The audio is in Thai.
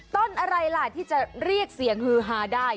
ต้นอะไรล่ะที่จะเรียกเสียงฮือฮาได้